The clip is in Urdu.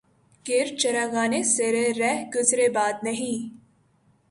گر چراغانِ سرِ رہ گزرِ باد نہیں